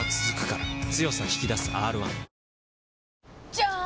じゃーん！